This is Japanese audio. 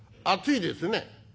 「暑いですね」。